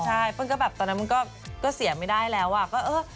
ใช่เปิ้ลก็แบบตอนนั้นมันก็เสียไม่ได้แล้วอ่ะก็เออ